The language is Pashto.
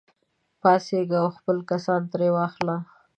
پاڅېږه او خپل کسات ترې واخله.